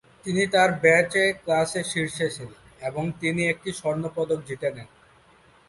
তিনি তার ব্যাচে ক্লাসে শীর্ষে ছিলেন এবং তিনি একটি স্বর্ণপদক জিতে নেন।